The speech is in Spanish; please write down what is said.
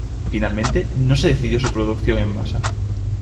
Finalmente, no se decidió su producción en masa.